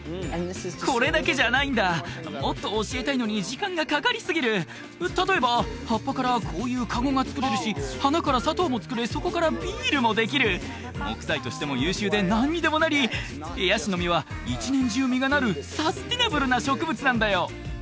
これだけじゃないんだもっと教えたいのに時間がかかりすぎる例えば葉っぱからこういうカゴが作れるし花から砂糖も作れそこからビールもできる木材としても優秀で何にでもなりヤシの実は１年中実がなるサスティナブルな植物なんだよ